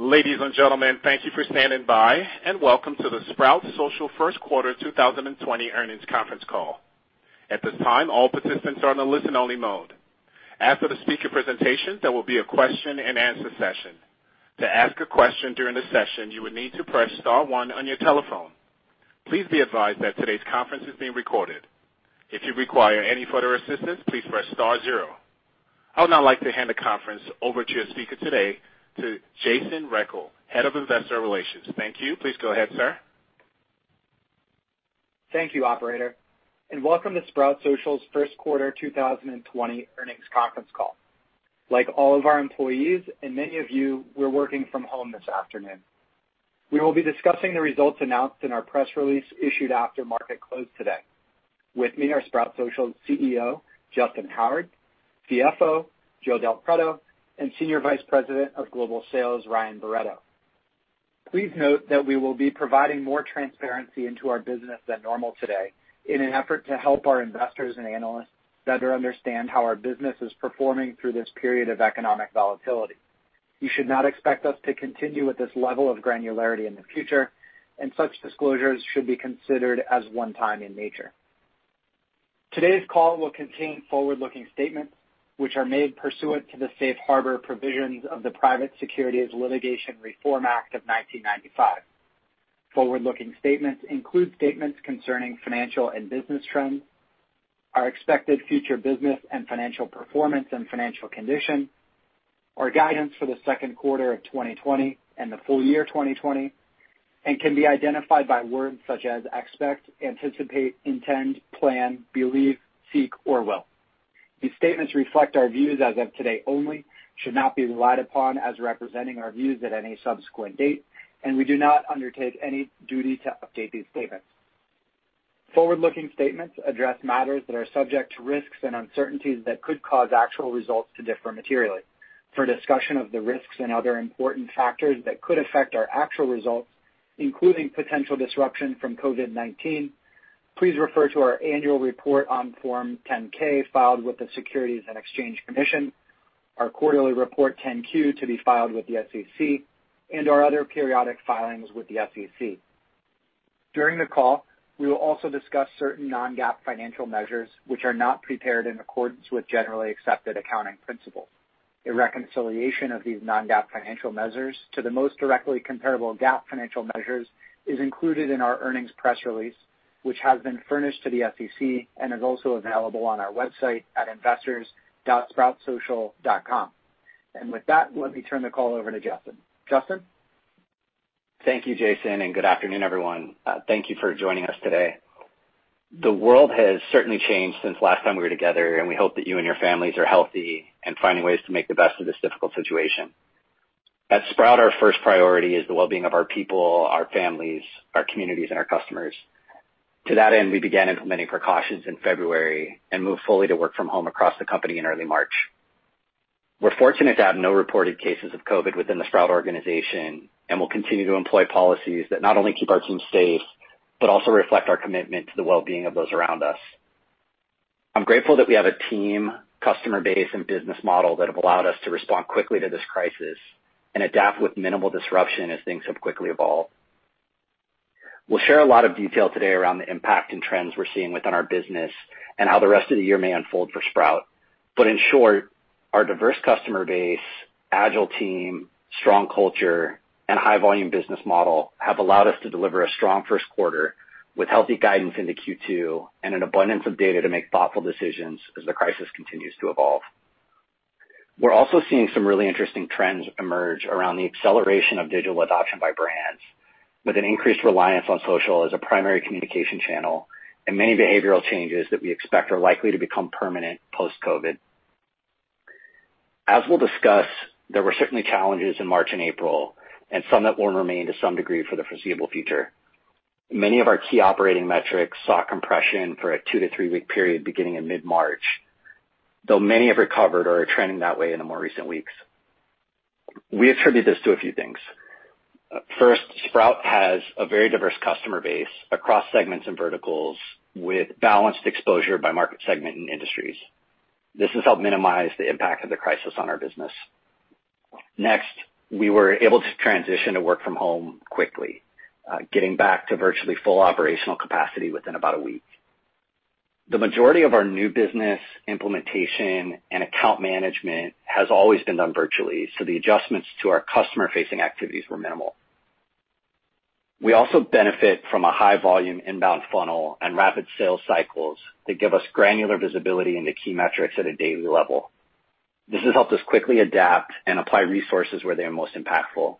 Ladies and gentlemen, thank you for standing by and welcome to the Sprout Social First Quarter 2020 earnings conference call. At this time, all participants are on a listen-only mode. After the speaker presentations, there will be a question-and-answer session. To ask a question during the session, you would need to press star one on your telephone. Please be advised that today's conference is being recorded. If you require any further assistance, please press star zero. I would now like to hand the conference over to your speaker today, Jason Rechel, Head of Investor Relations. Thank you. Please go ahead, sir. Thank you, Operator, and welcome to Sprout Social's First Quarter 2020 Earnings Conference Call. Like all of our employees and many of you, we're working from home this afternoon. We will be discussing the results announced in our press release issued after market close today. With me are Sprout Social's CEO, Justyn Howard, CFO, Joe Del Preto, and Senior Vice President of Global Sales, Ryan Barretto. Please note that we will be providing more transparency into our business than normal today in an effort to help our investors and analysts better understand how our business is performing through this period of economic volatility. You should not expect us to continue with this level of granularity in the future, and such disclosures should be considered as one-time in nature. Today's call will contain forward-looking statements which are made pursuant to the safe harbor provisions of the Private Securities Litigation Reform Act of 1995. Forward-looking statements include statements concerning financial and business trends, our expected future business and financial performance and financial condition, our guidance for the second quarter of 2020 and the full year 2020, and can be identified by words such as expect, anticipate, intend, plan, believe, seek, or will. These statements reflect our views as of today only, should not be relied upon as representing our views at any subsequent date, and we do not undertake any duty to update these statements. Forward-looking statements address matters that are subject to risks and uncertainties that could cause actual results to differ materially. For discussion of the risks and other important factors that could affect our actual results, including potential disruption from COVID-19, please refer to our annual report on Form 10-K filed with the Securities and Exchange Commission, our quarterly report on Form 10-Q to be filed with the SEC, and our other periodic filings with the SEC. During the call, we will also discuss certain non-GAAP financial measures which are not prepared in accordance with generally accepted accounting principles. A reconciliation of these non-GAAP financial measures to the most directly comparable GAAP financial measures is included in our earnings press release, which has been furnished to the SEC and is also available on our website at investors.sproutsocial.com. And with that, let me turn the call over to Justyn. Justyn? Thank you, Jason, and good afternoon, everyone. Thank you for joining us today. The world has certainly changed since last time we were together, and we hope that you and your families are healthy and finding ways to make the best of this difficult situation. At Sprout, our first priority is the well-being of our people, our families, our communities, and our customers. To that end, we began implementing precautions in February and moved fully to work from home across the company in early March. We're fortunate to have no reported cases of COVID within the Sprout organization, and we'll continue to employ policies that not only keep our team safe but also reflect our commitment to the well-being of those around us. I'm grateful that we have a team, customer base, and business model that have allowed us to respond quickly to this crisis and adapt with minimal disruption as things have quickly evolved. We'll share a lot of detail today around the impact and trends we're seeing within our business and how the rest of the year may unfold for Sprout. But in short, our diverse customer base, agile team, strong culture, and high-volume business model have allowed us to deliver a strong first quarter with healthy guidance into Q2 and an abundance of data to make thoughtful decisions as the crisis continues to evolve. We're also seeing some really interesting trends emerge around the acceleration of digital adoption by brands, with an increased reliance on social as a primary communication channel and many behavioral changes that we expect are likely to become permanent post-COVID. As we'll discuss, there were certainly challenges in March and April and some that will remain to some degree for the foreseeable future. Many of our key operating metrics saw compression for a two to three-week period beginning in mid-March, though many have recovered or are trending that way in the more recent weeks. We attribute this to a few things. First, Sprout has a very diverse customer base across segments and verticals with balanced exposure by market segment and industries. This has helped minimize the impact of the crisis on our business. Next, we were able to transition to work from home quickly, getting back to virtually full operational capacity within about a week. The majority of our new business implementation and account management has always been done virtually, so the adjustments to our customer-facing activities were minimal. We also benefit from a high-volume inbound funnel and rapid sales cycles that give us granular visibility into key metrics at a daily level. This has helped us quickly adapt and apply resources where they are most impactful.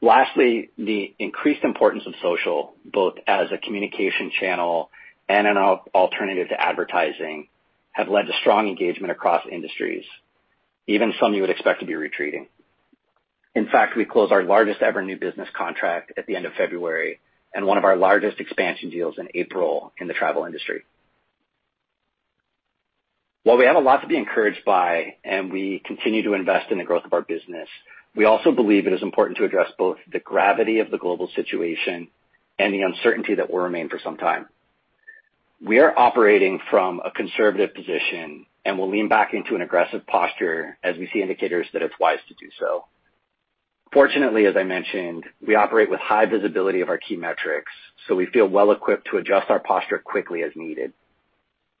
Lastly, the increased importance of social, both as a communication channel and an alternative to advertising, has led to strong engagement across industries, even some you would expect to be retreating. In fact, we closed our largest ever new business contract at the end of February and one of our largest expansion deals in April in the travel industry. While we have a lot to be encouraged by and we continue to invest in the growth of our business, we also believe it is important to address both the gravity of the global situation and the uncertainty that will remain for some time. We are operating from a conservative position and will lean back into an aggressive posture as we see indicators that it's wise to do so. Fortunately, as I mentioned, we operate with high visibility of our key metrics, so we feel well-equipped to adjust our posture quickly as needed.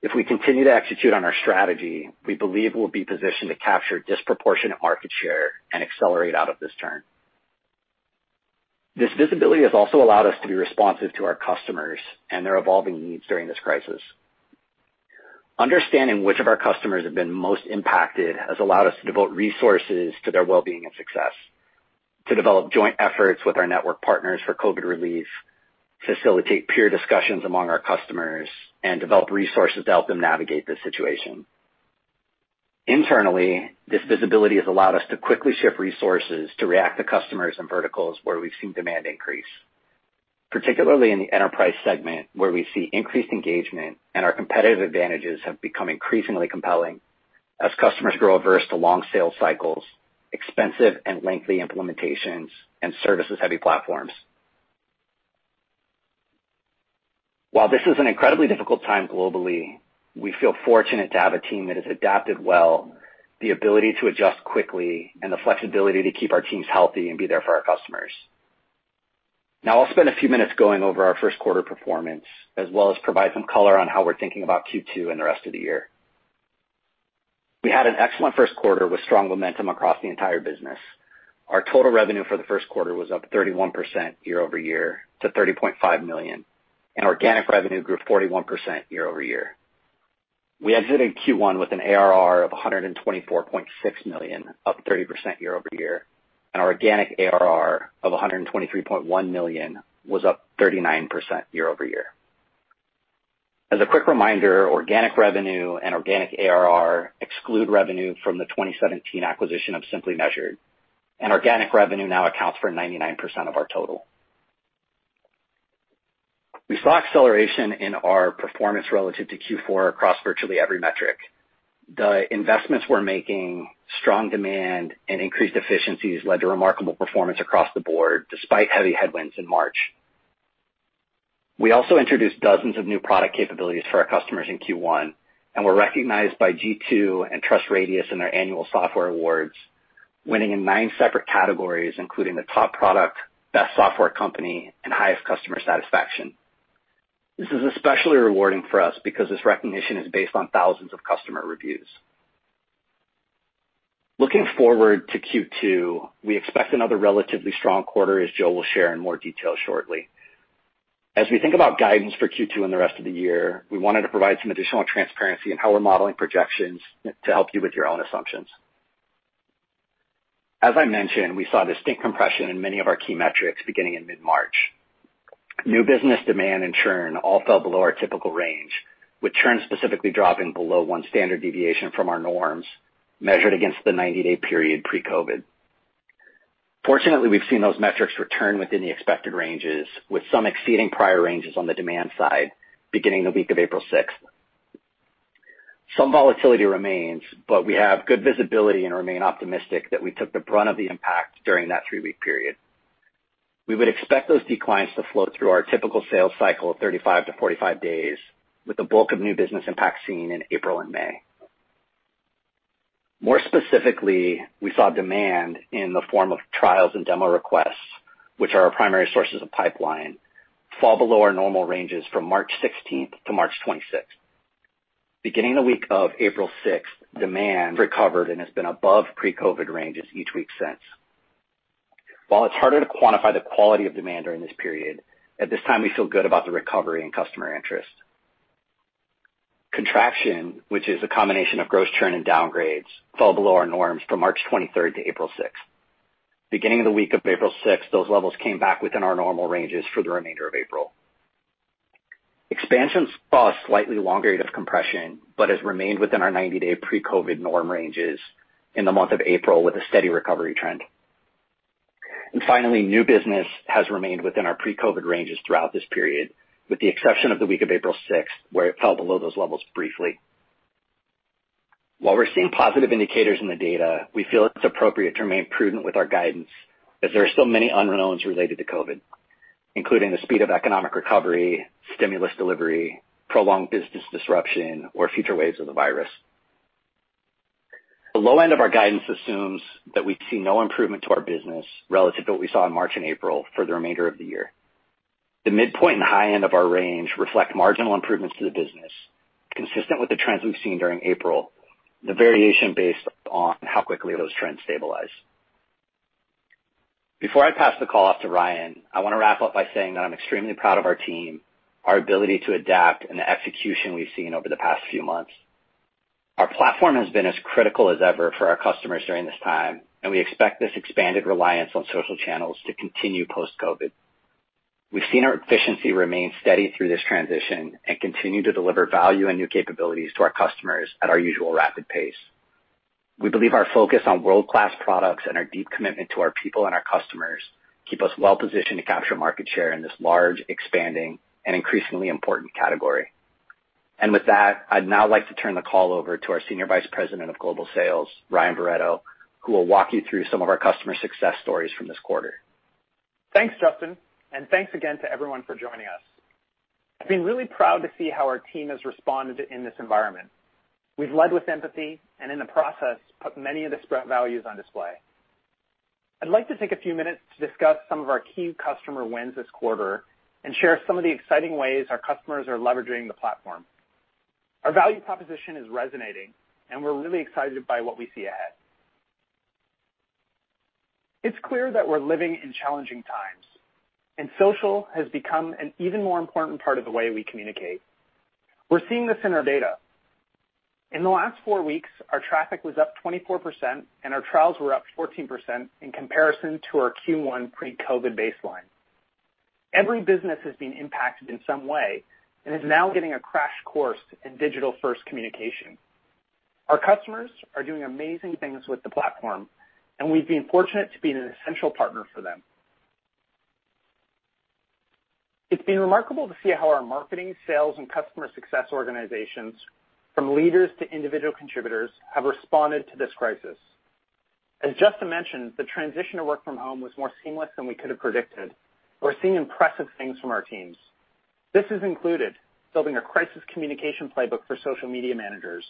If we continue to execute on our strategy, we believe we'll be positioned to capture disproportionate market share and accelerate out of this turn. This visibility has also allowed us to be responsive to our customers and their evolving needs during this crisis. Understanding which of our customers have been most impacted has allowed us to devote resources to their well-being and success, to develop joint efforts with our network partners for COVID relief, facilitate peer discussions among our customers, and develop resources to help them navigate this situation. Internally, this visibility has allowed us to quickly shift resources to react to customers and verticals where we've seen demand increase, particularly in the Enterprise segment where we see increased engagement and our competitive advantages have become increasingly compelling as customers grow averse to long sales cycles, expensive and lengthy implementations, and services-heavy platforms. While this is an incredibly difficult time globally, we feel fortunate to have a team that has adapted well, the ability to adjust quickly, and the flexibility to keep our teams healthy and be there for our customers. Now, I'll spend a few minutes going over our first quarter performance as well as provide some color on how we're thinking about Q2 and the rest of the year. We had an excellent first quarter with strong momentum across the entire business. Our total revenue for the first quarter was up 31% year-over-year to $30.5 million, and organic revenue grew 41% year-over-year. We exited Q1 with an ARR of $124.6 million, up 30% year-over-year, and our organic ARR of $123.1 million was up 39% year-over-year. As a quick reminder, organic revenue and organic ARR exclude revenue from the 2017 acquisition of Simply Measured, and organic revenue now accounts for 99% of our total. We saw acceleration in our performance relative to Q4 across virtually every metric. The investments we're making, strong demand, and increased efficiencies led to remarkable performance across the board despite heavy headwinds in March. We also introduced dozens of new product capabilities for our customers in Q1 and were recognized by G2 and TrustRadius in their annual software awards, winning in nine separate categories including the top product, best software company, and highest customer satisfaction. This is especially rewarding for us because this recognition is based on thousands of customer reviews. Looking forward to Q2, we expect another relatively strong quarter, as Joe will share in more detail shortly. As we think about guidance for Q2 and the rest of the year, we wanted to provide some additional transparency in how we're modeling projections to help you with your own assumptions. As I mentioned, we saw distinct compression in many of our key metrics beginning in mid-March. New business demand and churn all fell below our typical range, with churn specifically dropping below one standard deviation from our norms measured against the 90-day period pre-COVID. Fortunately, we've seen those metrics return within the expected ranges, with some exceeding prior ranges on the demand side beginning the week of April 6th. Some volatility remains, but we have good visibility and remain optimistic that we took the brunt of the impact during that three-week period. We would expect those declines to flow through our typical sales cycle of 35 to 45 days, with the bulk of new business impact seen in April and May. More specifically, we saw demand in the form of trials and demo requests, which are our primary sources of pipeline, fall below our normal ranges from March 16th to March 26th. Beginning the week of April 6th, demand recovered and has been above pre-COVID ranges each week since. While it's harder to quantify the quality of demand during this period, at this time, we feel good about the recovery and customer interest. Contraction, which is a combination of gross churn and downgrades, fell below our norms from March 23rd to April 6th. Beginning the week of April 6th, those levels came back within our normal ranges for the remainder of April. Expansion saw a slightly longer rate of compression but has remained within our 90-day pre-COVID norm ranges in the month of April with a steady recovery trend. And finally, new business has remained within our pre-COVID ranges throughout this period, with the exception of the week of April 6th, where it fell below those levels briefly. While we're seeing positive indicators in the data, we feel it's appropriate to remain prudent with our guidance as there are still many unknowns related to COVID, including the speed of economic recovery, stimulus delivery, prolonged business disruption, or future waves of the virus. The low end of our guidance assumes that we see no improvement to our business relative to what we saw in March and April for the remainder of the year. The midpoint and high end of our range reflect marginal improvements to the business, consistent with the trends we've seen during April. The variation based on how quickly those trends stabilize. Before I pass the call off to Ryan, I want to wrap up by saying that I'm extremely proud of our team, our ability to adapt, and the execution we've seen over the past few months. Our platform has been as critical as ever for our customers during this time, and we expect this expanded reliance on social channels to continue post-COVID. We've seen our efficiency remain steady through this transition and continue to deliver value and new capabilities to our customers at our usual rapid pace. We believe our focus on world-class products and our deep commitment to our people and our customers keep us well-positioned to capture market share in this large, expanding, and increasingly important category. With that, I'd now like to turn the call over to our Senior Vice President of Global Sales, Ryan Barretto, who will walk you through some of our customer success stories from this quarter. Thanks, Justyn, and thanks again to everyone for joining us. I've been really proud to see how our team has responded in this environment. We've led with empathy and, in the process, put many of the Sprout values on display. I'd like to take a few minutes to discuss some of our key customer wins this quarter and share some of the exciting ways our customers are leveraging the platform. Our value proposition is resonating, and we're really excited by what we see ahead. It's clear that we're living in challenging times, and social has become an even more important part of the way we communicate. We're seeing this in our data. In the last four weeks, our traffic was up 24%, and our trials were up 14% in comparison to our Q1 pre-COVID baseline. Every business has been impacted in some way and is now getting a crash course in digital-first communication. Our customers are doing amazing things with the platform, and we've been fortunate to be an essential partner for them. It's been remarkable to see how our marketing, sales, and customer success organizations, from leaders to individual contributors, have responded to this crisis. As Justyn mentioned, the transition to work from home was more seamless than we could have predicted, and we're seeing impressive things from our teams. This has included building a crisis communication playbook for social media managers,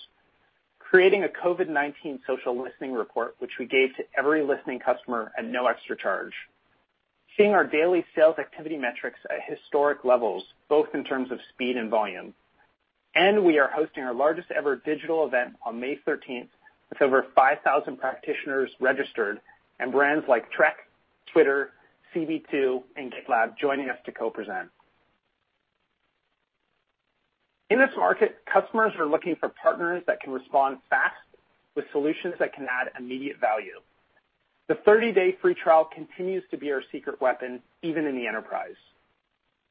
creating a COVID-19 social listening report, which we gave to every listening customer at no extra charge, seeing our daily sales activity metrics at historic levels, both in terms of speed and volume, and we are hosting our largest ever digital event on May 13th with over 5,000 practitioners registered and brands like Trek, Twitter, CB2, and GitLab joining us to co-present. In this market, customers are looking for partners that can respond fast with solutions that can add immediate value. The 30-day free trial continues to be our secret weapon even in the enterprise.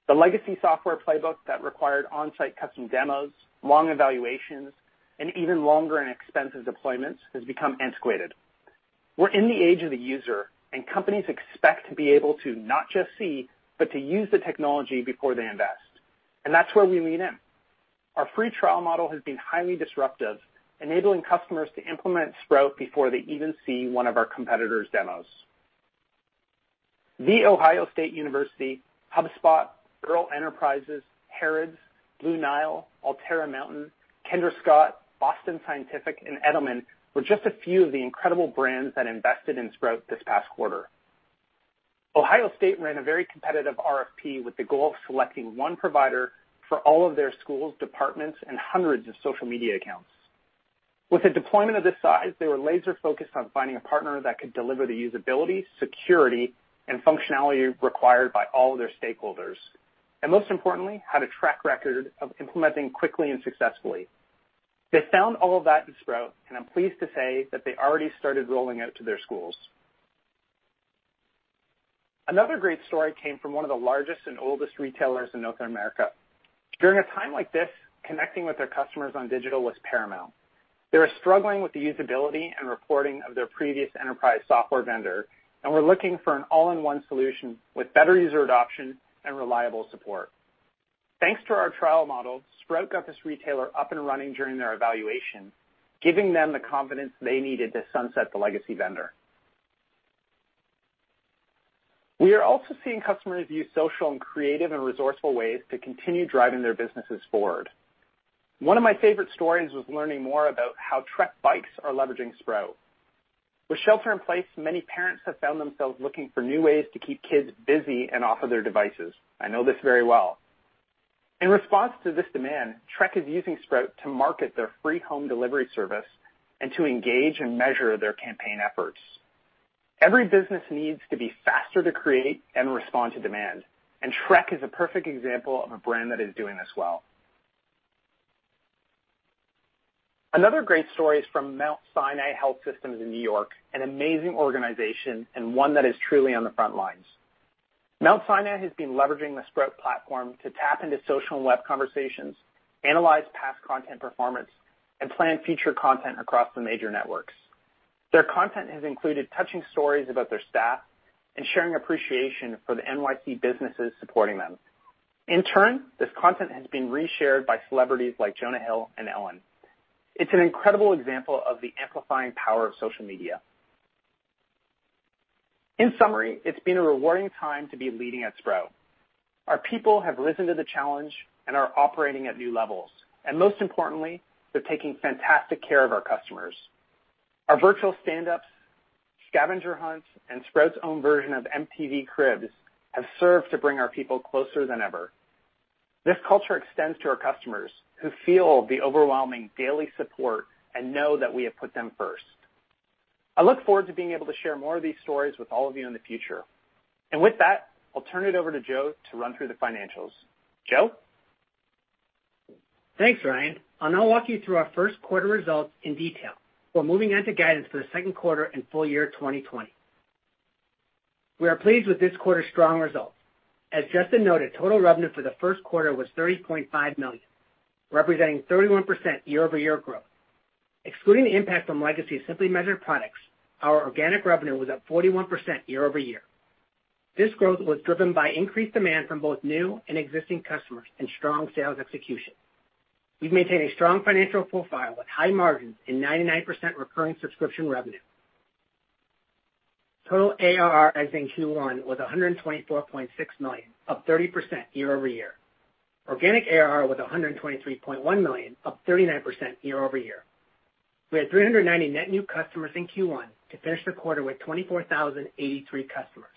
The legacy software playbook that required on-site custom demos, long evaluations, and even longer and expensive deployments has become antiquated. We're in the age of the user, and companies expect to be able to not just see but to use the technology before they invest, and that's where we lean in. Our free trial model has been highly disruptive, enabling customers to implement Sprout before they even see one of our competitors' demos. The Ohio State University, HubSpot, Earl Enterprises, Harrods, Blue Nile, Alterra Mountain, Kendra Scott, Boston Scientific, and Edelman were just a few of the incredible brands that invested in Sprout this past quarter. Ohio State ran a very competitive RFP with the goal of selecting one provider for all of their schools, departments, and hundreds of social media accounts. With a deployment of this size, they were laser-focused on finding a partner that could deliver the usability, security, and functionality required by all of their stakeholders, and most importantly, had a track record of implementing quickly and successfully. They found all of that in Sprout, and I'm pleased to say that they already started rolling out to their schools. Another great story came from one of the largest and oldest retailers in North America. During a time like this, connecting with their customers on digital was paramount. They were struggling with the usability and reporting of their previous enterprise software vendor, and were looking for an all-in-one solution with better user adoption and reliable support. Thanks to our trial model, Sprout got this retailer up and running during their evaluation, giving them the confidence they needed to sunset the legacy vendor. We are also seeing customers use social and creative and resourceful ways to continue driving their businesses forward. One of my favorite stories was learning more about how Trek Bikes are leveraging Sprout. With shelter in place, many parents have found themselves looking for new ways to keep kids busy and off of their devices. I know this very well. In response to this demand, Trek is using Sprout to market their free home delivery service and to engage and measure their campaign efforts. Every business needs to be faster to create and respond to demand, and Trek is a perfect example of a brand that is doing this well. Another great story is from Mount Sinai Health System in New York, an amazing organization and one that is truly on the front lines. Mount Sinai has been leveraging the Sprout platform to tap into social and web conversations, analyze past content performance, and plan future content across the major networks. Their content has included touching stories about their staff and sharing appreciation for the NYC businesses supporting them. In turn, this content has been reshared by celebrities like Jonah Hill and Ellen. It's an incredible example of the amplifying power of social media. In summary, it's been a rewarding time to be leading at Sprout. Our people have risen to the challenge and are operating at new levels, and most importantly, they're taking fantastic care of our customers. Our virtual stand-ups, scavenger hunts, and Sprout's own version of MTV Cribs have served to bring our people closer than ever. This culture extends to our customers who feel the overwhelming daily support and know that we have put them first. I look forward to being able to share more of these stories with all of you in the future. And with that, I'll turn it over to Joe to run through the financials. Joe? Thanks, Ryan. I'll now walk you through our first quarter results in detail. We're moving on to guidance for the second quarter and full year 2020. We are pleased with this quarter's strong results. As Justyn noted, total revenue for the first quarter was $30.5 million, representing 31% year-over-year growth. Excluding the impact from legacy Simply Measured products, our organic revenue was at 41% year-over-year. This growth was driven by increased demand from both new and existing customers and strong sales execution. We've maintained a strong financial profile with high margins and 99% recurring subscription revenue. Total ARR as in Q1 was $124.6 million, up 30% year-over-year. Organic ARR was $123.1 million, up 39% year-over-year. We had 390 net new customers in Q1 to finish the quarter with 24,083 customers.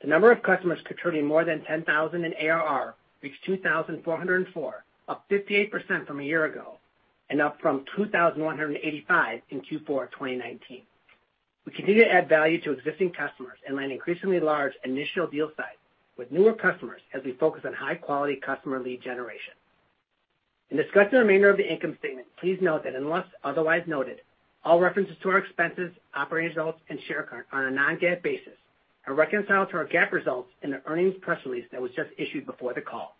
The number of customers contributing more than $10,000 in ARR reached 2,404, up 58% from a year ago and up from 2,185 in Q4 of 2019. We continue to add value to existing customers and land increasingly large initial deal sites with newer customers as we focus on high-quality customer lead generation. In discussing the remainder of the income statement, please note that unless otherwise noted, all references to our expenses, operating results, and share count are on a non-GAAP basis and reconciled to our GAAP results in the earnings press release that was just issued before the call.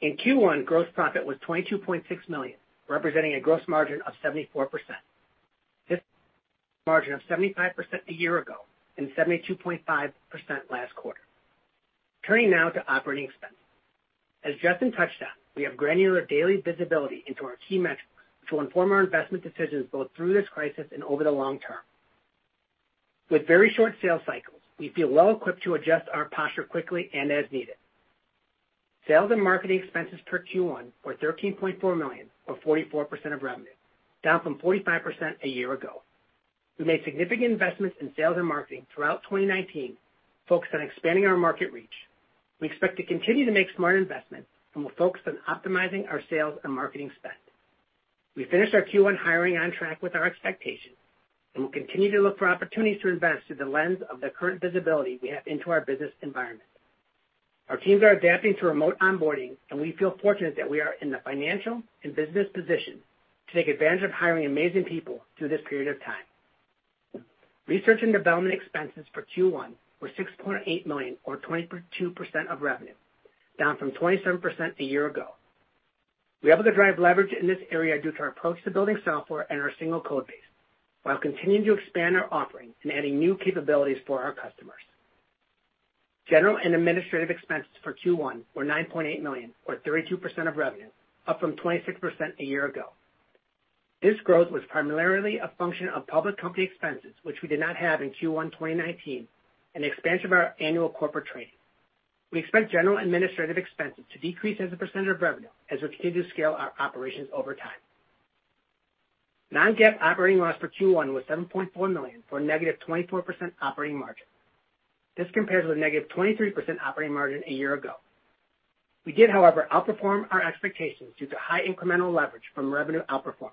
In Q1, gross profit was $22.6 million, representing a gross margin of 74%. This margin was 75% a year ago and 72.5% last quarter. Turning now to operating expenses. As Justyn touched on, we have granular daily visibility into our key metrics, which will inform our investment decisions both through this crisis and over the long term. With very short sales cycles, we feel well-equipped to adjust our posture quickly and as needed. Sales and marketing expenses per Q1 were $13.4 million, or 44% of revenue, down from 45% a year ago. We made significant investments in sales and marketing throughout 2019, focused on expanding our market reach. We expect to continue to make smart investments and will focus on optimizing our sales and marketing spend. We finished our Q1 hiring on track with our expectations and will continue to look for opportunities to invest through the lens of the current visibility we have into our business environment. Our teams are adapting to remote onboarding, and we feel fortunate that we are in the financial and business position to take advantage of hiring amazing people through this period of time. Research and development expenses for Q1 were $6.8 million, or 22% of revenue, down from 27% a year ago. We are able to drive leverage in this area due to our approach to building software and our single code base while continuing to expand our offering and adding new capabilities for our customers. General and administrative expenses for Q1 were $9.8 million, or 32% of revenue, up from 26% a year ago. This growth was primarily a function of public company expenses, which we did not have in Q1 2019, and the expansion of our annual corporate training. We expect general and administrative expenses to decrease as a percentage of revenue as we continue to scale our operations over time. Non-GAAP operating loss for Q1 was $7.4 million for a negative 24% operating margin. This compares with a negative 23% operating margin a year ago. We did, however, outperform our expectations due to high incremental leverage from revenue outperformance.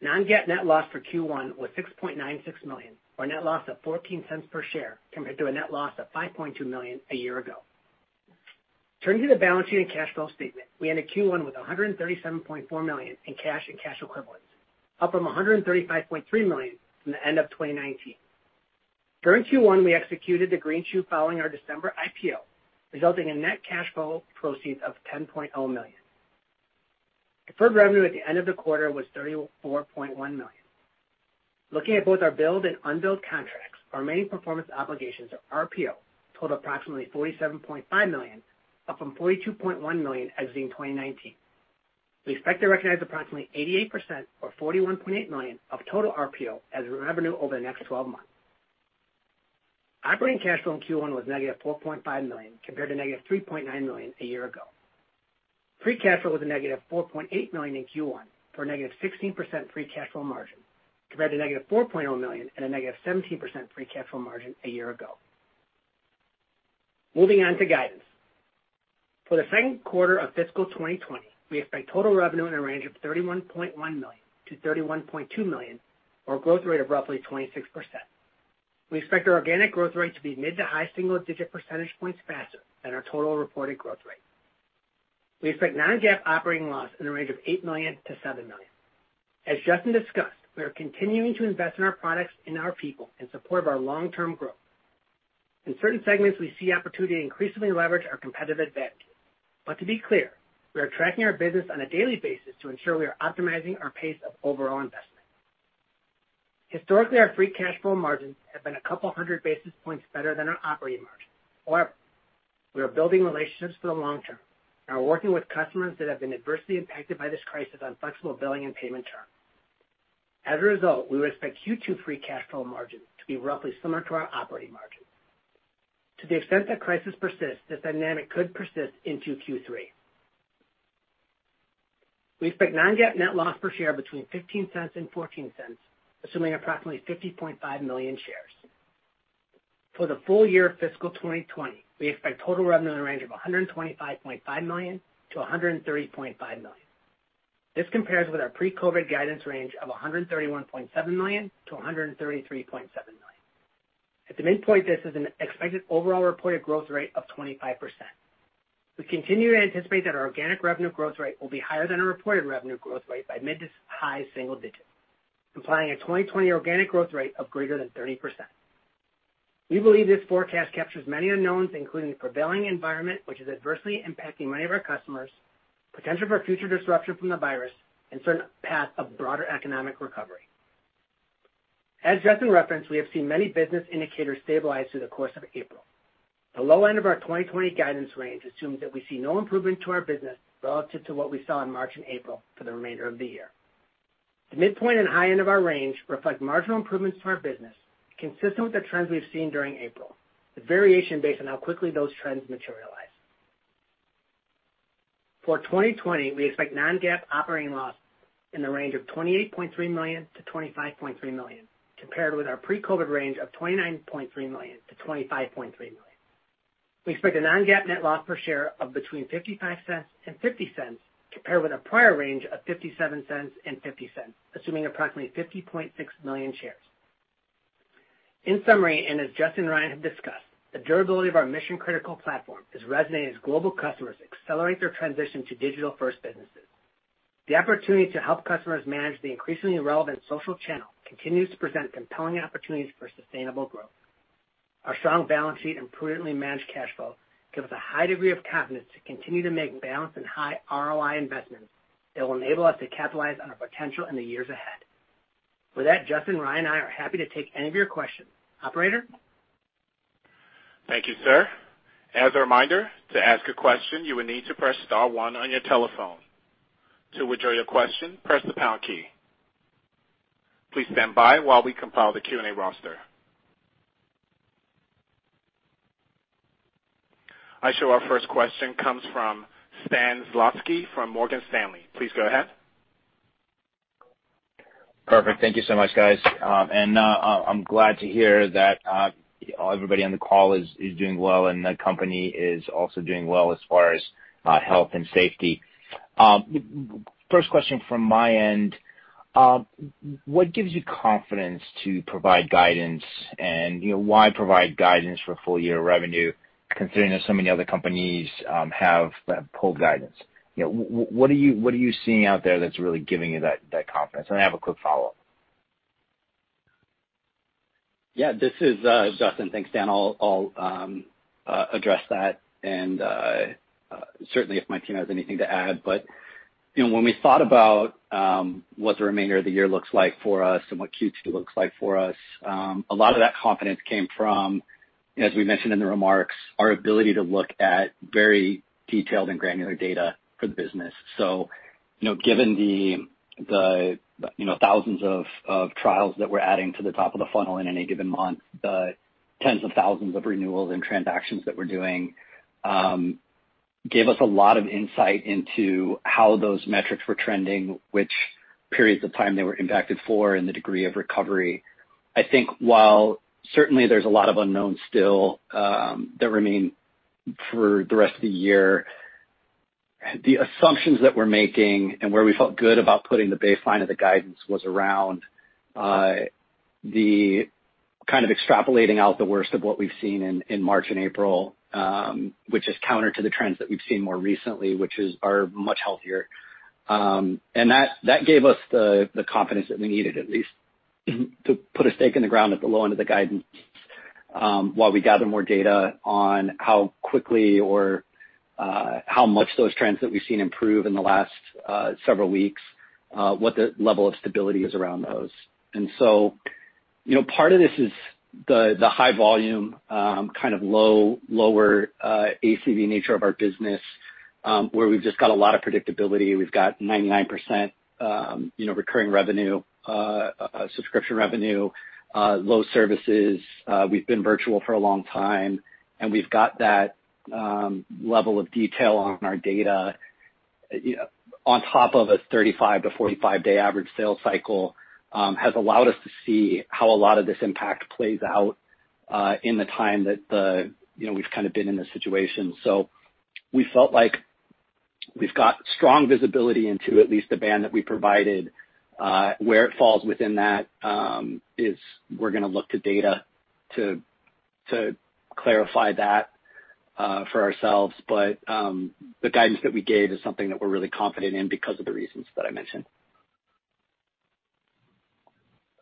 Non-GAAP net loss for Q1 was $6.96 million, or a net loss of $0.14 per share compared to a net loss of $5.2 million a year ago. Turning to the balance sheet and cash flow statement, we ended Q1 with $137.4 million in cash and cash equivalents, up from $135.3 million from the end of 2019. During Q1, we executed the Green Shoe following our December IPO, resulting in net cash flow proceeds of $10.0 million. Deferred revenue at the end of the quarter was $34.1 million. Looking at both our billed and unbilled contracts, our remaining performance obligations, or RPO, total approximately $47.5 million, up from $42.1 million as in 2019. We expect to recognize approximately 88%, or $41.8 million, of total RPO as revenue over the next 12 months. Operating cash flow in Q1 was negative $4.5 million compared to negative $3.9 million a year ago. Free cash flow was a negative $4.8 million in Q1 for a negative 16% free cash flow margin compared to negative $4.0 million and a negative 17% free cash flow margin a year ago. Moving on to guidance. For the second quarter of fiscal 2020, we expect total revenue in the range of $31.1 million to $31.2 million, or a growth rate of roughly 26%. We expect our organic growth rate to be mid to high single-digit percentage points faster than our total reported growth rate. We expect non-GAAP operating loss in the range of $8 million-$7 million. As Justyn discussed, we are continuing to invest in our products and our people in support of our long-term growth. In certain segments, we see opportunity to increasingly leverage our competitive advantage. But to be clear, we are tracking our business on a daily basis to ensure we are optimizing our pace of overall investment. Historically, our free cash flow margins have been a couple hundred basis points better than our operating margins. However, we are building relationships for the long term and are working with customers that have been adversely impacted by this crisis on flexible billing and payment terms. As a result, we would expect Q2 free cash flow margins to be roughly similar to our operating margins. To the extent that crisis persists, this dynamic could persist into Q3. We expect non-GAAP net loss per share between $0.15 and $0.14, assuming approximately 50.5 million shares. For the full year of fiscal 2020, we expect total revenue in the range of $125.5 million-$130.5 million. This compares with our pre-COVID guidance range of $131.7 million-$133.7 million. At the midpoint, this is an expected overall reported growth rate of 25%. We continue to anticipate that our organic revenue growth rate will be higher than our reported revenue growth rate by mid to high single digits, implying a 2020 organic growth rate of greater than 30%. We believe this forecast captures many unknowns, including the prevailing environment, which is adversely impacting many of our customers, potential for future disruption from the virus, and certain paths of broader economic recovery. As Justyn referenced, we have seen many business indicators stabilize through the course of April. The low end of our 2020 guidance range assumes that we see no improvement to our business relative to what we saw in March and April for the remainder of the year. The midpoint and high end of our range reflect marginal improvements to our business, consistent with the trends we've seen during April, with variation based on how quickly those trends materialize. For 2020, we expect non-GAAP operating loss in the range of $28.3 million-$25.3 million, compared with our pre-COVID range of $29.3 million-$25.3 million. We expect a non-GAAP net loss per share of between $0.55 and $0.50, compared with our prior range of $0.57 and $0.50, assuming approximately 50.6 million shares. In summary, and as Justyn and Ryan have discussed, the durability of our mission-critical platform is resonating as global customers accelerate their transition to digital-first businesses. The opportunity to help customers manage the increasingly relevant social channel continues to present compelling opportunities for sustainable growth. Our strong balance sheet and prudently managed cash flow give us a high degree of confidence to continue to make balanced and high ROI investments that will enable us to capitalize on our potential in the years ahead. With that, Justyn, Ryan, and I are happy to take any of your questions. Operator? Thank you, sir. As a reminder, to ask a question, you will need to press star one on your telephone. To withdraw your question, press the pound key. Please stand by while we compile the Q&A roster. I show our first question comes from Stan Zlotsky from Morgan Stanley. Please go ahead. Perfect. Thank you so much, guys. And I'm glad to hear that everybody on the call is doing well and the company is also doing well as far as health and safety. First question from my end: what gives you confidence to provide guidance, and why provide guidance for full-year revenue, considering that so many other companies have pulled guidance? What are you seeing out there that's really giving you that confidence? And I have a quick follow-up. Yeah, this is Justyn. Thanks, Stan. I'll address that, and certainly if my team has anything to add. But when we thought about what the remainder of the year looks like for us and what Q2 looks like for us, a lot of that confidence came from, as we mentioned in the remarks, our ability to look at very detailed and granular data for the business. So given the thousands of trials that we're adding to the top of the funnel in any given month, the tens of thousands of renewals and transactions that we're doing gave us a lot of insight into how those metrics were trending, which periods of time they were impacted for, and the degree of recovery. I think while certainly there's a lot of unknowns still that remain for the rest of the year, the assumptions that we're making and where we felt good about putting the baseline of the guidance was around the kind of extrapolating out the worst of what we've seen in March and April, which is counter to the trends that we've seen more recently, which are much healthier. And that gave us the confidence that we needed, at least, to put a stake in the ground at the low end of the guidance while we gather more data on how quickly or how much those trends that we've seen improve in the last several weeks, what the level of stability is around those. And so part of this is the high volume, kind of lower ACV nature of our business, where we've just got a lot of predictability. We've got 99% recurring revenue, subscription revenue, low services. We've been virtual for a long time, and we've got that level of detail on our data. On top of a 35-45-day average sales cycle has allowed us to see how a lot of this impact plays out in the time that we've kind of been in this situation. So we felt like we've got strong visibility into at least the band that we provided. Where it falls within that is we're going to look to data to clarify that for ourselves. But the guidance that we gave is something that we're really confident in because of the reasons that I mentioned.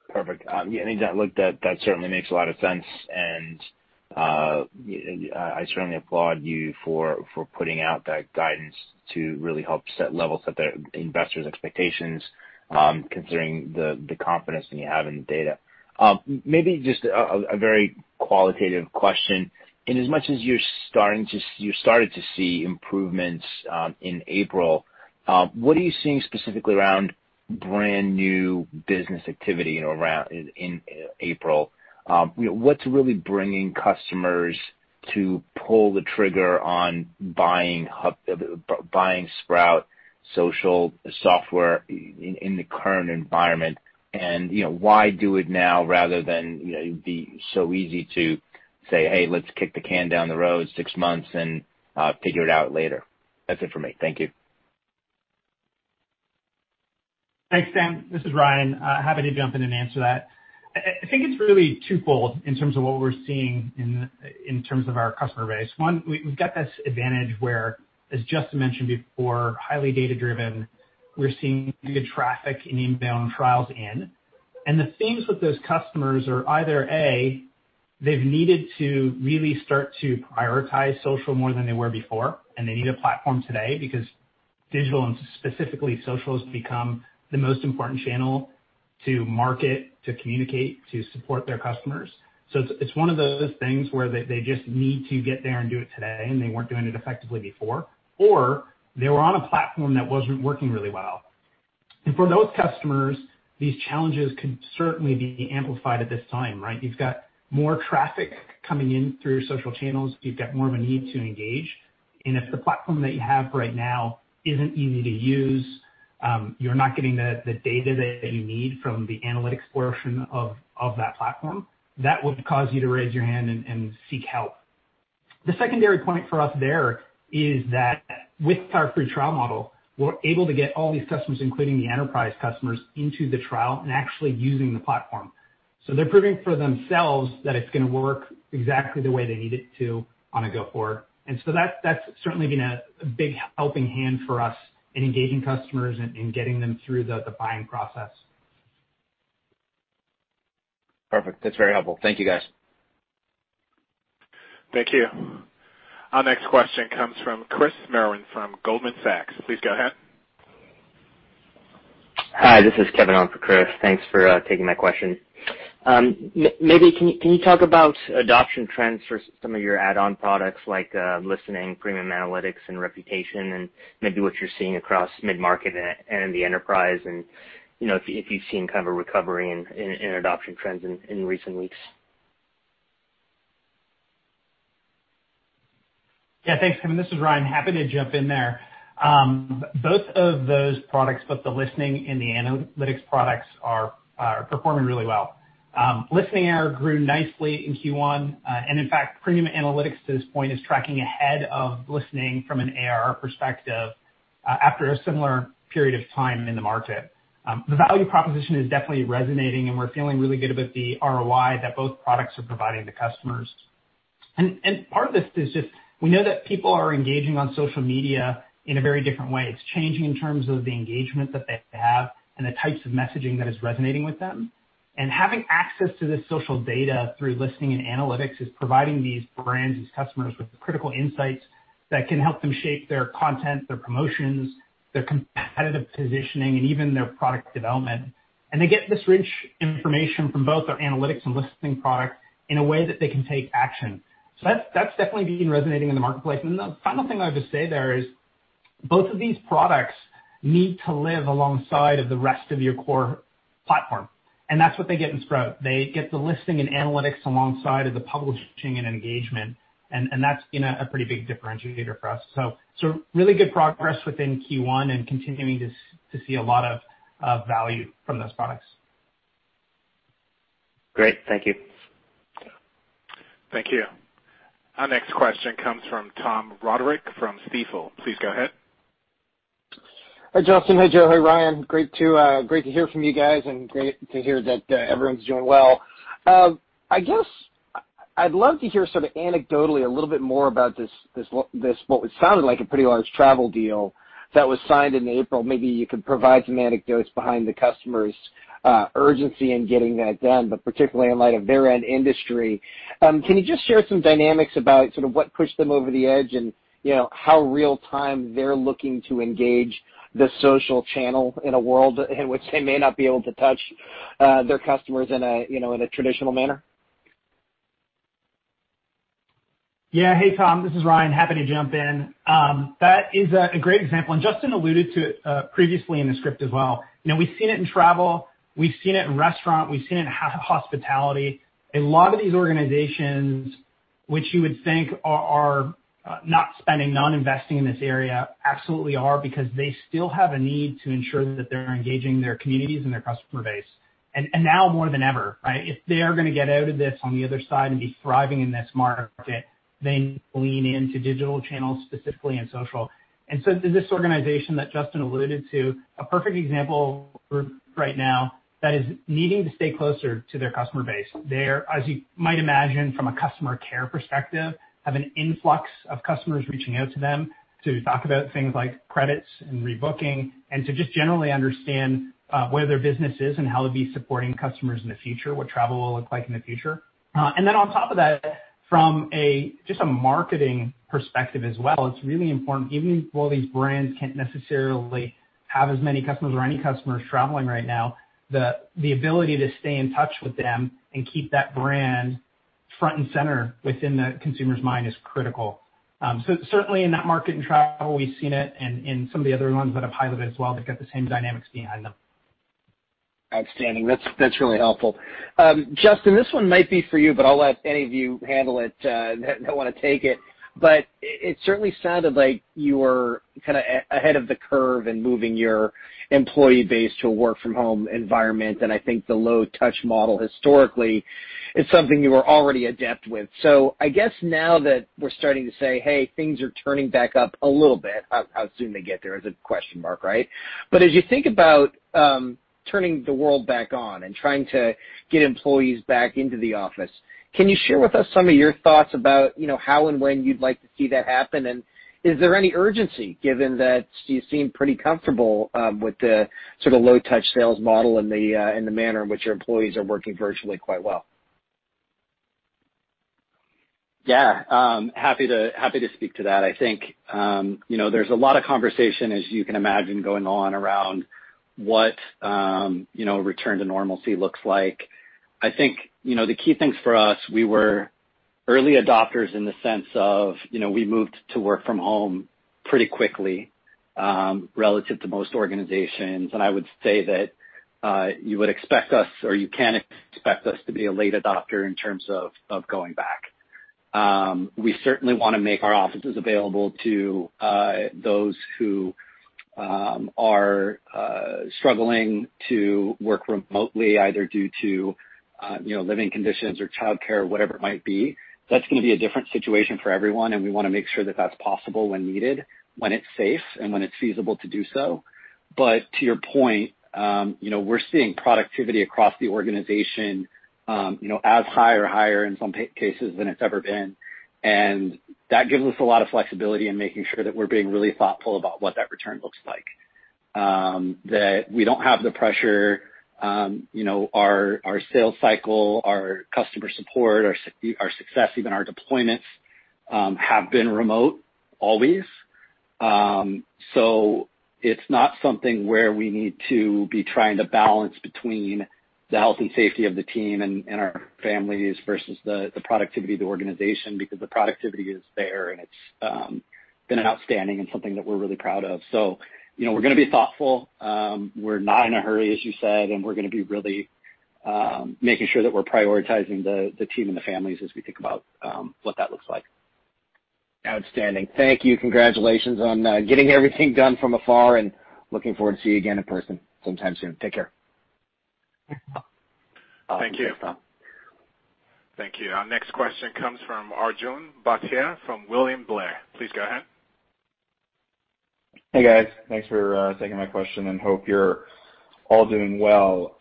Perfect. Yeah, I think that certainly makes a lot of sense, and I certainly applaud you for putting out that guidance to really help set levels at the investors' expectations, considering the confidence that you have in the data. Maybe just a very qualitative question. In as much as you started to see improvements in April, what are you seeing specifically around brand new business activity in April? What's really bringing customers to pull the trigger on buying Sprout Social Software in the current environment? And why do it now rather than be so easy to say, "Hey, let's kick the can down the road six months and figure it out later"? That's it for me. Thank you. Thanks, Stan. This is Ryan. Happy to jump in and answer that. I think it's really twofold in terms of what we're seeing in terms of our customer base. One, we've got this advantage where, as Justyn mentioned before, highly data-driven. We're seeing good traffic and inbound trials in. And the themes with those customers are either, A, they've needed to really start to prioritize social more than they were before, and they need a platform today because digital and specifically social has become the most important channel to market, to communicate, to support their customers. So it's one of those things where they just need to get there and do it today, and they weren't doing it effectively before, or they were on a platform that wasn't working really well. And for those customers, these challenges could certainly be amplified at this time, right? You've got more traffic coming in through your social channels. You've got more of a need to engage. And if the platform that you have right now isn't easy to use, you're not getting the data that you need from the analytics portion of that platform, that would cause you to raise your hand and seek help. The secondary point for us there is that with our free trial model, we're able to get all these customers, including the enterprise customers, into the trial and actually using the platform. So they're proving for themselves that it's going to work exactly the way they need it to on a go-forward. And so that's certainly been a big helping hand for us in engaging customers and getting them through the buying process. Perfect. That's very helpful. Thank you, guys. Thank you. Our next question comes from Chris Merwin from Goldman Sachs. Please go ahead. Hi, this is Kevin on for Chris. Thanks for taking my question. Maybe can you talk about adoption trends for some of your add-on products like Listening, Premium Analytics, and Reputation, and maybe what you're seeing across mid-market and the enterprise, and if you've seen kind of a recovery in adoption trends in recent weeks? Yeah, thanks, Kevin. This is Ryan. Happy to jump in there. Both of those products, both the Listening and the Premium Analytics products, are performing really well. Listening ARR grew nicely in Q1. And in fact, Premium Analytics to this point is tracking ahead of Listening from an ARR perspective after a similar period of time in the market. The value proposition is definitely resonating, and we're feeling really good about the ROI that both products are providing to customers. And part of this is just we know that people are engaging on social media in a very different way. It's changing in terms of the engagement that they have and the types of messaging that is resonating with them. Having access to this social data through listening and analytics is providing these brands, these customers, with critical insights that can help them shape their content, their promotions, their competitive positioning, and even their product development. They get this rich information from both their analytics and listening product in a way that they can take action. That's definitely been resonating in the marketplace. The final thing I would just say there is both of these products need to live alongside of the rest of your core platform. That's what they get in Sprout. They get the listening and analytics alongside of the publishing and engagement. That's been a pretty big differentiator for us. Really good progress within Q1 and continuing to see a lot of value from those products. Great. Thank you. Thank you. Our next question comes from Tom Roderick from Stifel. Please go ahead. Hi, Justyn. Hi, Joe. Hi, Ryan. Great to hear from you guys and great to hear that everyone's doing well. I guess I'd love to hear sort of anecdotally a little bit more about what sounded like a pretty large travel deal that was signed in April. Maybe you could provide some anecdotes behind the customer's urgency in getting that done, but particularly in light of their end industry. Can you just share some dynamics about sort of what pushed them over the edge and how real-time they're looking to engage the social channel in a world in which they may not be able to touch their customers in a traditional manner? Yeah. Hey, Tom. This is Ryan. Happy to jump in. That is a great example. And Justyn alluded to it previously in the script as well. We've seen it in travel. We've seen it in restaurant. We've seen it in hospitality. A lot of these organizations, which you would think are not spending, not investing in this area, absolutely are because they still have a need to ensure that they're engaging their communities and their customer base. And now more than ever, right? If they are going to get out of this on the other side and be thriving in this market, they need to lean into digital channels specifically and social. And so this organization that Justyn alluded to, a perfect example right now, that is needing to stay closer to their customer base. They, as you might imagine from a customer care perspective, have an influx of customers reaching out to them to talk about things like credits and rebooking and to just generally understand where their business is and how to be supporting customers in the future, what travel will look like in the future. And then on top of that, from just a marketing perspective as well, it's really important, even though these brands can't necessarily have as many customers or any customers traveling right now, the ability to stay in touch with them and keep that brand front and center within the consumer's mind is critical. So certainly in that market and travel, we've seen it, and in some of the other ones that I've highlighted as well, they've got the same dynamics behind them. Outstanding. That's really helpful. Justyn, this one might be for you, but I'll let any of you handle it that want to take it. But it certainly sounded like you were kind of ahead of the curve in moving your employee base to a work-from-home environment. And I think the low-touch model historically is something you were already adept with. So I guess now that we're starting to say, "Hey, things are turning back up a little bit," how soon they get there is a question mark, right? But as you think about turning the world back on and trying to get employees back into the office, can you share with us some of your thoughts about how and when you'd like to see that happen? Is there any urgency given that you seem pretty comfortable with the sort of low-touch sales model and the manner in which your employees are working virtually quite well? Yeah. Happy to speak to that. I think there's a lot of conversation, as you can imagine, going on around what return to normalcy looks like. I think the key things for us, we were early adopters in the sense of we moved to work from home pretty quickly relative to most organizations. And I would say that you would expect us, or you can expect us, to be a late adopter in terms of going back. We certainly want to make our offices available to those who are struggling to work remotely, either due to living conditions or childcare or whatever it might be. That's going to be a different situation for everyone. And we want to make sure that that's possible when needed, when it's safe, and when it's feasible to do so. But to your point, we're seeing productivity across the organization as high or higher in some cases than it's ever been. And that gives us a lot of flexibility in making sure that we're being really thoughtful about what that return looks like, that we don't have the pressure. Our sales cycle, our customer support, our success, even our deployments have been remote always. So it's not something where we need to be trying to balance between the health and safety of the team and our families versus the productivity of the organization because the productivity is there and it's been outstanding and something that we're really proud of. So we're going to be thoughtful. We're not in a hurry, as you said, and we're going to be really making sure that we're prioritizing the team and the families as we think about what that looks like. Outstanding. Thank you. Congratulations on getting everything done from afar and looking forward to seeing you again in person sometime soon. Take care. Thank you. Thank you. Our next question comes from Arjun Bhatia from William Blair. Please go ahead. Hey, guys. Thanks for taking my question and hope you're all doing well.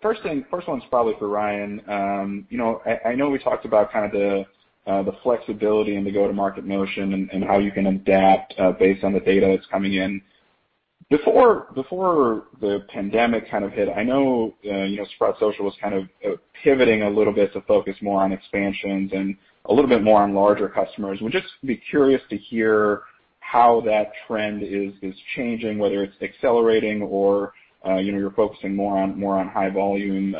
First one's probably for Ryan. I know we talked about kind of the flexibility and the go-to-market notion and how you can adapt based on the data that's coming in. Before the pandemic kind of hit, I know Sprout Social was kind of pivoting a little bit to focus more on expansions and a little bit more on larger customers. We'd just be curious to hear how that trend is changing, whether it's accelerating or you're focusing more on high-volume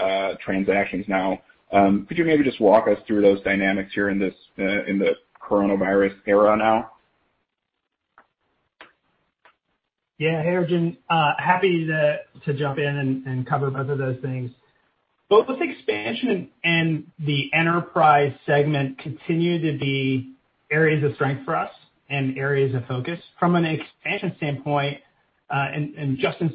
transactions now. Could you maybe just walk us through those dynamics here in the coronavirus era now? Yeah. Hey, Arjun. Happy to jump in and cover both of those things. Both expansion and the enterprise segment continue to be areas of strength for us and areas of focus. From an expansion standpoint, and Justyn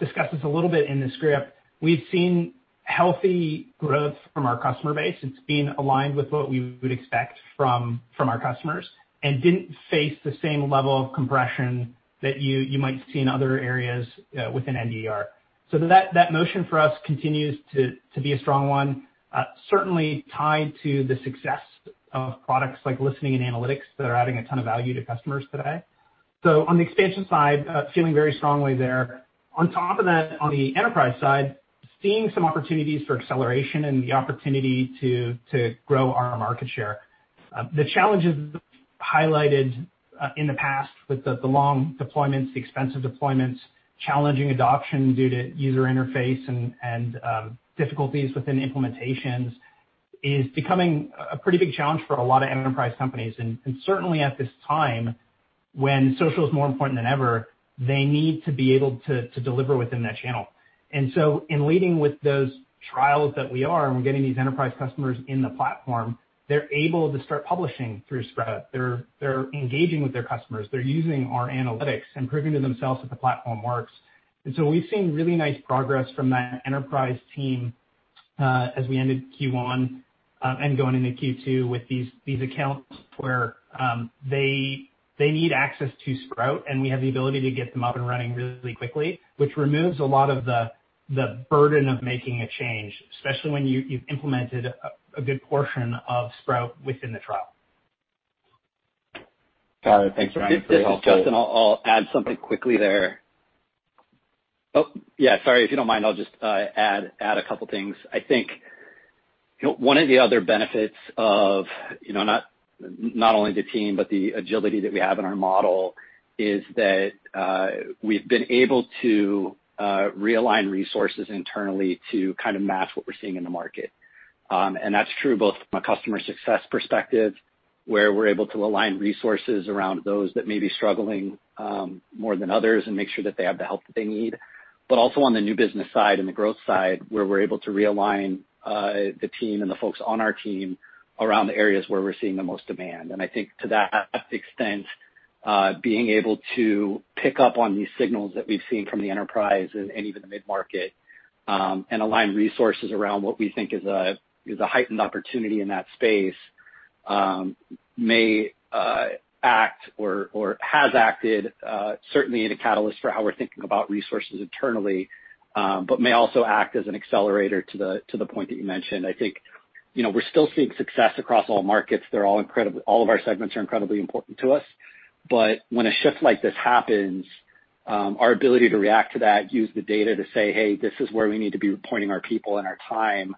discussed this a little bit in the script, we've seen healthy growth from our customer base. It's been aligned with what we would expect from our customers and didn't face the same level of compression that you might see in other areas within NDR. So that motion for us continues to be a strong one, certainly tied to the success of products like Listening and Analytics that are adding a ton of value to customers today. So on the expansion side, feeling very strongly there. On top of that, on the enterprise side, seeing some opportunities for acceleration and the opportunity to grow our market share. The challenges highlighted in the past with the long deployments, the expensive deployments, challenging adoption due to user interface and difficulties within implementations is becoming a pretty big challenge for a lot of enterprise companies. And certainly at this time, when social is more important than ever, they need to be able to deliver within that channel. And so in leading with those trials that we are and we're getting these enterprise customers in the platform, they're able to start publishing through Sprout. They're engaging with their customers. They're using our analytics and proving to themselves that the platform works. And so we've seen really nice progress from that enterprise team as we ended Q1 and going into Q2 with these accounts where they need access to Sprout and we have the ability to get them up and running really quickly, which removes a lot of the burden of making a change, especially when you've implemented a good portion of Sprout within the trial. Got it. Thanks, Ryan. Justyn I'll add something quickly there. Oh, yeah. Sorry. If you don't mind, I'll just add a couple of things. I think one of the other benefits of not only the team, but the agility that we have in our model is that we've been able to realign resources internally to kind of match what we're seeing in the market. And that's true both from a customer success perspective where we're able to align resources around those that may be struggling more than others and make sure that they have the help that they need, but also on the new business side and the growth side where we're able to realign the team and the folks on our team around the areas where we're seeing the most demand. And I think to that extent, being able to pick up on these signals that we've seen from the enterprise and even the mid-market and align resources around what we think is a heightened opportunity in that space may act or has acted certainly in a catalyst for how we're thinking about resources internally, but may also act as an accelerator to the point that you mentioned. I think we're still seeing success across all markets. All of our segments are incredibly important to us. But when a shift like this happens, our ability to react to that, use the data to say, "Hey, this is where we need to be reporting our people and our time,"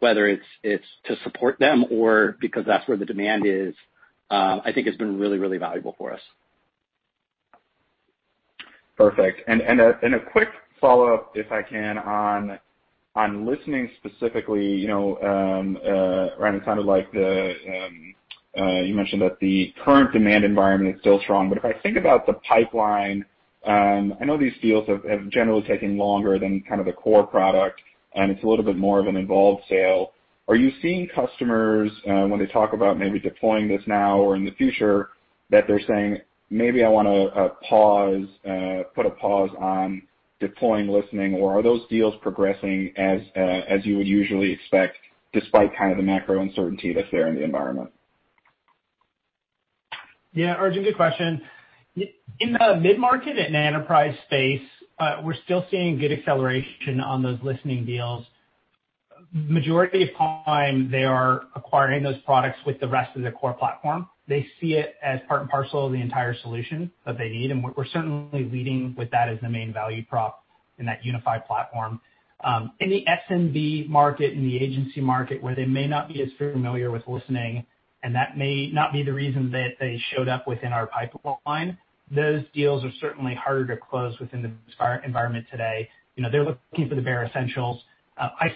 whether it's to support them or because that's where the demand is, I think has been really, really valuable for us. Perfect. And a quick follow-up, if I can, on listening specifically. Ryan, it sounded like you mentioned that the current demand environment is still strong. But if I think about the pipeline, I know these deals have generally taken longer than kind of the core product, and it's a little bit more of an involved sale. Are you seeing customers when they talk about maybe deploying this now or in the future that they're saying, "Maybe I want to put a pause on deploying listening"? Or are those deals progressing as you would usually expect despite kind of the macro uncertainty that's there in the environment? Yeah. Arjun, good question. In the mid-market and the enterprise space, we're still seeing good acceleration on those listening deals. Majority of time, they are acquiring those products with the rest of the core platform. They see it as part and parcel of the entire solution that they need. And we're certainly leading with that as the main value prop in that unified platform. In the SMB market and the agency market, where they may not be as familiar with listening, and that may not be the reason that they showed up within our pipeline, those deals are certainly harder to close within the Sprout environment today. They're looking for the bare essentials. I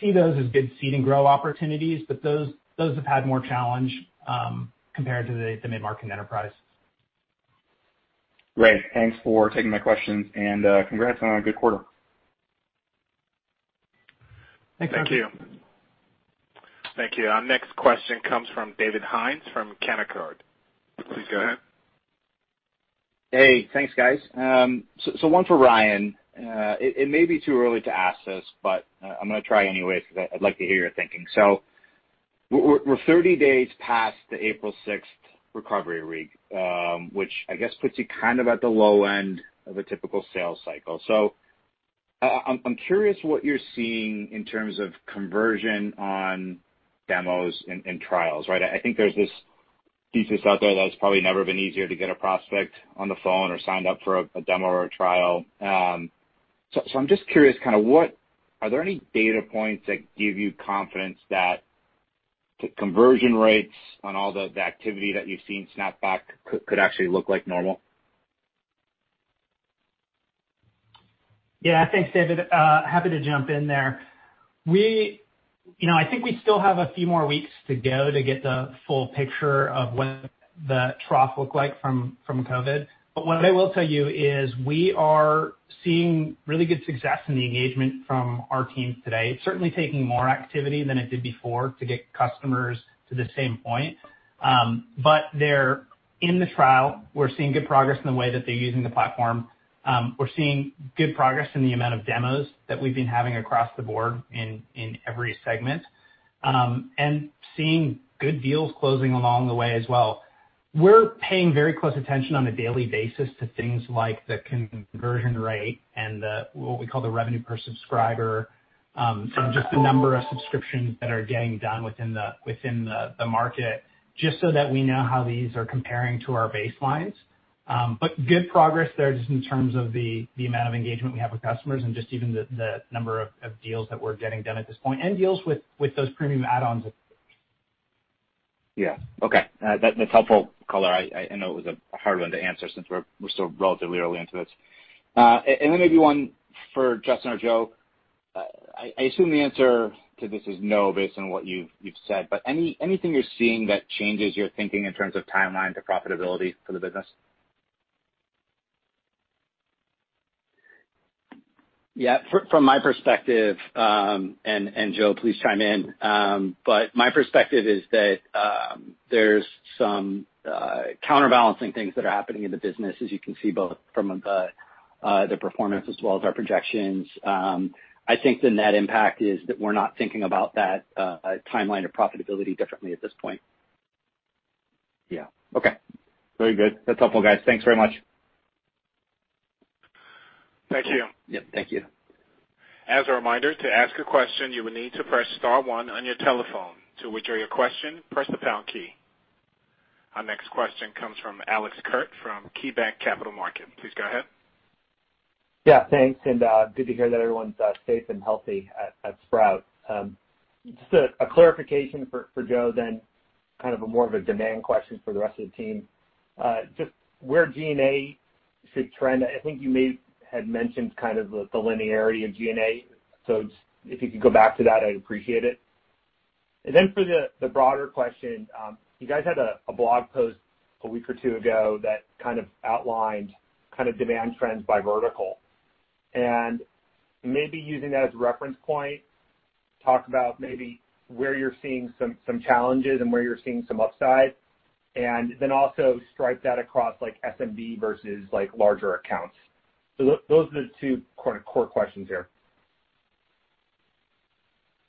see those as good seed and grow opportunities, but those have had more challenge compared to the mid-market and enterprise. Great. Thanks for taking my questions and congrats on a good quarter. Thanks, Arjun. Thank you. Thank you. Our next question comes from David Hynes from Canaccord. Please go ahead. Hey. Thanks, guys. One for Ryan. It may be too early to ask this, but I'm going to try anyways because I'd like to hear your thinking. We're 30 days past the April 6th recovery week, which I guess puts you kind of at the low end of a typical sales cycle. I'm curious what you're seeing in terms of conversion on demos and trials, right? I think there's this thesis out there that it's probably never been easier to get a prospect on the phone or signed up for a demo or a trial. I'm just curious kind of, are there any data points that give you confidence that conversion rates on all the activity that you've seen snap back could actually look like normal? Yeah. Thanks, David. Happy to jump in there. I think we still have a few more weeks to go to get the full picture of what the trough looked like from COVID. But what I will tell you is we are seeing really good success in the engagement from our teams today. It's certainly taking more activity than it did before to get customers to the same point. But they're in the trial. We're seeing good progress in the way that they're using the platform. We're seeing good progress in the amount of demos that we've been having across the board in every segment and seeing good deals closing along the way as well. We're paying very close attention on a daily basis to things like the conversion rate and what we call the revenue per subscriber and just the number of subscriptions that are getting done within the market, just so that we know how these are comparing to our baselines. But good progress there just in terms of the amount of engagement we have with customers and just even the number of deals that we're getting done at this point and deals with those premium add-ons. Yeah. Okay. That's helpful, color. I know it was a hard one to answer since we're still relatively early into this. And then maybe one for Justyn or Joe. I assume the answer to this is no based on what you've said, but anything you're seeing that changes your thinking in terms of timeline to profitability for the business? Yeah. From my perspective, and Joe, please chime in. But my perspective is that there's some counterbalancing things that are happening in the business, as you can see both from the performance as well as our projections. I think the net impact is that we're not thinking about that timeline of profitability differently at this point. Yeah. Okay. Very good. That's helpful, guys. Thanks very much. Thank you. Yep. Thank you. As a reminder, to ask a question, you will need to press star one on your telephone. To withdraw your question, press the pound key. Our next question comes from Alex Kurtz from KeyBanc Capital Markets. Please go ahead. Yeah. Thanks. And good to hear that everyone's safe and healthy at Sprout. Just a clarification for Joe then, kind of more of a demand question for the rest of the team. Just where G&A should trend, I think you may have mentioned kind of the linearity of G&A. So if you could go back to that, I'd appreciate it. And then for the broader question, you guys had a blog post a week or two ago that kind of outlined kind of demand trends by vertical. And maybe using that as a reference point, talk about maybe where you're seeing some challenges and where you're seeing some upside, and then also stratify that across S&B versus larger accounts. So those are the two core questions here.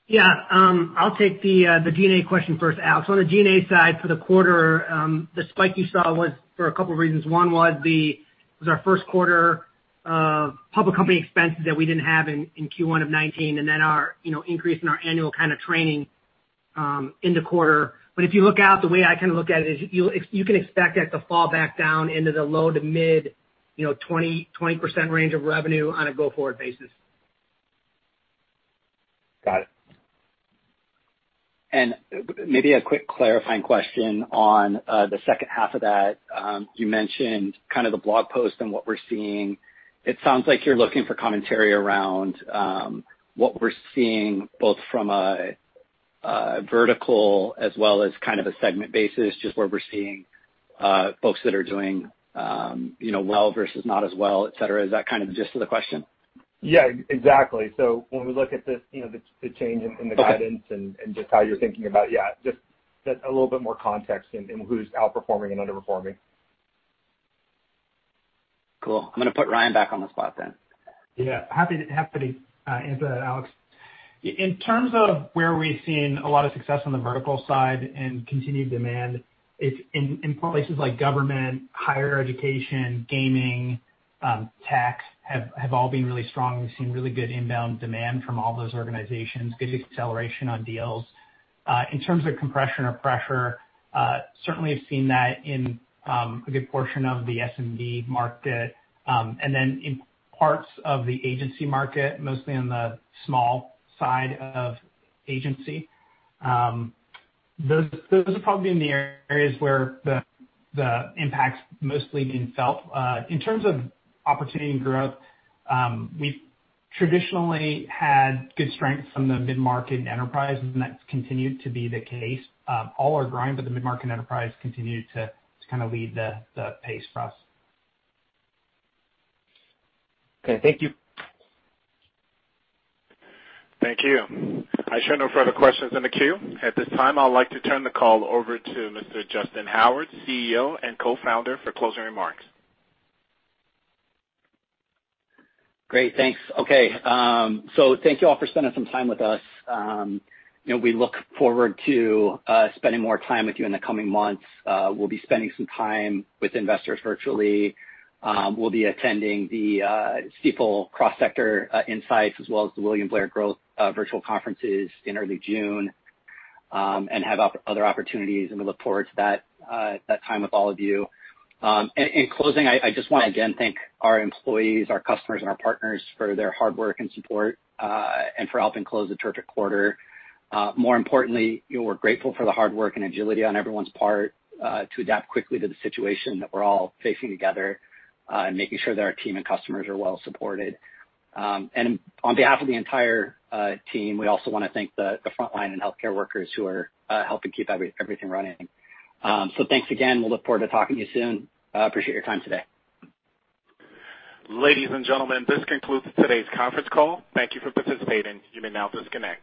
Yeah. I'll take the G&A question first. So on the G&A side, for the quarter, the spike you saw was for a couple of reasons. One was our first quarter of public company expenses that we didn't have in Q1 of 2019 and then our increase in our annual kind of training in the quarter. But if you look out, the way I kind of look at it is you can expect that to fall back down into the low to mid 20% range of revenue on a go-forward basis. Got it. And maybe a quick clarifying question on the second half of that. You mentioned kind of the blog post and what we're seeing. It sounds like you're looking for commentary around what we're seeing both from a vertical as well as kind of a segment basis, just where we're seeing folks that are doing well versus not as well, etc. Is that kind of the gist of the question? Yeah. Exactly. So when we look at the change in the guidance and just how you're thinking about, yeah, just a little bit more context in who's outperforming and underperforming. Cool. I'm going to put Ryan back on the spot then. Yeah. Happy to answer that, Alex. In terms of where we've seen a lot of success on the vertical side and continued demand, it's in places like government, higher education, gaming, tech have all been really strong. We've seen really good inbound demand from all those organizations, good acceleration on deals. In terms of compression or pressure, certainly have seen that in a good portion of the S&B market and then in parts of the agency market, mostly on the small side of agency. Those are probably in the areas where the impact's mostly been felt. In terms of opportunity and growth, we've traditionally had good strength from the mid-market and enterprise, and that's continued to be the case. All are growing, but the mid-market and enterprise continue to kind of lead the pace for us. Okay. Thank you. Thank you. I share no further questions in the queue. At this time, I'd like to turn the call over to Mr. Justyn Howard, CEO and Co-Founder for closing remarks. Great. Thanks. Okay. So thank you all for spending some time with us. We look forward to spending more time with you in the coming months. We'll be spending some time with investors virtually. We'll be attending the Stifel Cross-Sector Insights as well as the William Blair Growth virtual conferences in early June and have other opportunities. And we look forward to that time with all of you. In closing, I just want to again thank our employees, our customers, and our partners for their hard work and support and for helping close the terrific quarter. More importantly, we're grateful for the hard work and agility on everyone's part to adapt quickly to the situation that we're all facing together and making sure that our team and customers are well supported. And on behalf of the entire team, we also want to thank the frontline and healthcare workers who are helping keep everything running. So thanks again. We'll look forward to talking to you soon. Appreciate your time today. Ladies and gentlemen, this concludes today's conference call. Thank you for participating. You may now disconnect.